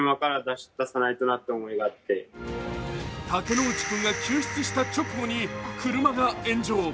竹之内君が救出した直後に車が炎上。